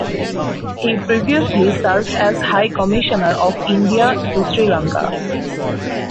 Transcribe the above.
He previously served as High Commissioner of India to Sri Lanka.